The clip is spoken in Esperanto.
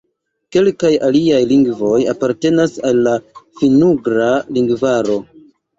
Kelkaj aliaj lingvoj apartenas al la Finn-ugra lingvaro.